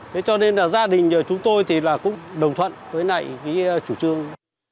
thế cho nên là gia đình chúng tôi thì là cũng đồng thuận với lại cái chủ trương